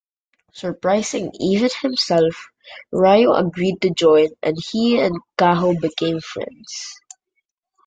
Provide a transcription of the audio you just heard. Surprising even himself, Ryo agreed to join, and he and Kaho became friends.